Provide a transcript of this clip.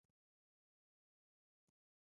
چین یې ښه مثال دی چې په دې برخه کې بریالی دی.